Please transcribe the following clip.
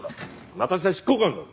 私は執行官だぞ。